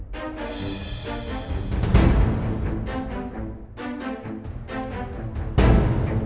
tante beli sekarang